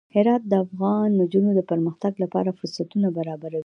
هرات د افغان نجونو د پرمختګ لپاره فرصتونه برابروي.